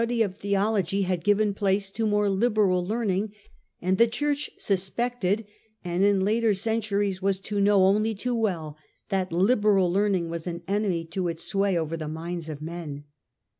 THE YEARS OF SOLACE 127 Theology had given place to more liberal learning, and the Church suspected, and in later centuries was to know only too well, that liberal learning was an enemy to its sway over the minds of men.